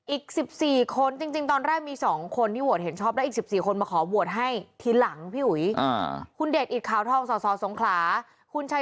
อีก๑๔คนจริงตอนแรกมี๒คนที่โหวตเห็นชอบแล้วอีก๑๔คนมาขอโหวตให้ทีหลังพี่อุ๋ย